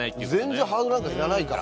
全然ハードルなんかいらないから。